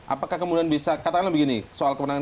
apakah kemudian bisa katakanlah begini soal kewenangan